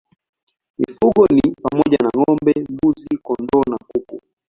Mifugo ni pamoja na ng'ombe, mbuzi, kondoo na kuku.